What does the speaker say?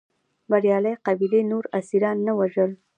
بریالۍ قبیلې نور اسیران نه وژل.